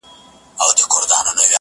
o څه مو کول، چي پلار او نيکه مو کول٫